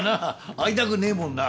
会いたくねえもんな。